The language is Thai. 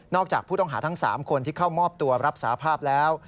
จากผู้ต้องหาทั้ง๓คนที่เข้ามอบตัวรับสาภาพแล้ว